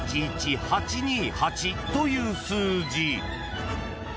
［という数字］